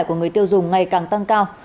của người tiêu dùng ngày càng tăng cao